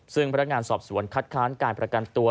ซึ่งพนักงานสอบสวนคัดค้านการประกันตัว